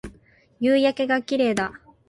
夕焼けが綺麗だ